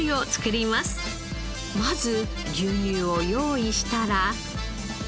まず牛乳を用意したら。